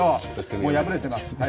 もう、破れてます。